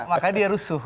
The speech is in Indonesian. makanya dia rusuh